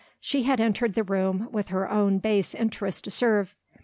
She had entered the room, with her own base interests to serve.